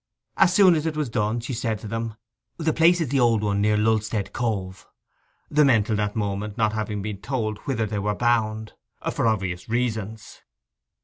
As soon as it was done, she said to them, 'The place is the old one near Lulstead Cove;' the men till that moment not having been told whither they were bound, for obvious reasons.